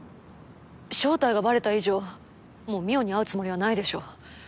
正体がバレた以上もう望緒に会うつもりはないでしょ。